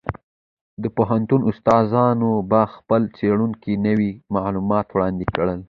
د پوهنتون استادانو په خپلو څېړنو کې نوي معلومات وړاندې کړل.